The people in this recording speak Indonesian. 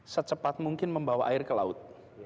secepat mungkin membawa air ke laut